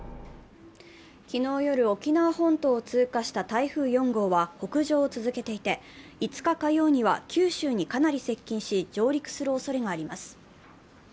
昨日夜、沖縄本島を通過した台風４号は北上を続けていて、５日火曜日には九州にかなり接近し上陸するおそれがあります。